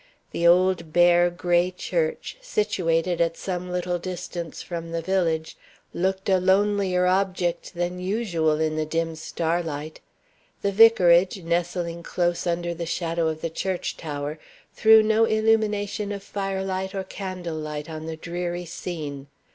The old bare, gray church, situated at some little distance from the village, looked a lonelier object than usual in the dim starlight. The vicarage, nestling close under the shadow of the church tower, threw no illumination of fire light or candle light on the dreary scene.